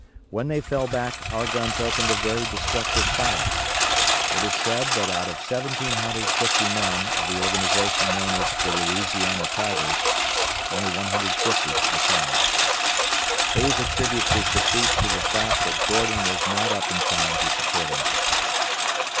When they fell back our guns opened a very destructive fire. It is said that out of 1,750 men of the organization known as "The Louisiana Tigers," only 150 returned. Hays attributes his defeat to the fact that Gordon was not up in time to support him.